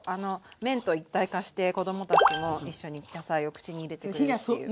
麺と一体化して子供たちも一緒に野菜を口に入れてくれるっていう。